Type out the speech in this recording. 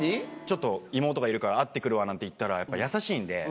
ちょっと妹がいるから会って来るわなんて言ったらやっぱ優しいんで。